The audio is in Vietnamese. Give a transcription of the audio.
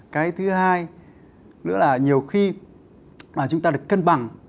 cái thứ hai nữa là nhiều khi mà chúng ta được cân bằng